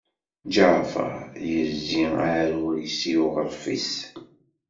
Ǧaɛfeṛ yezzi aɛrur i uɣṛef-is.